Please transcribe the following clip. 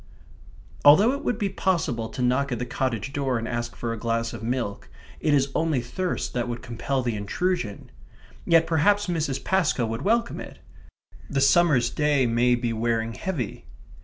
Although it would be possible to knock at the cottage door and ask for a glass of milk, it is only thirst that would compel the intrusion. Yet perhaps Mrs. Pascoe would welcome it. The summer's day may be wearing heavy.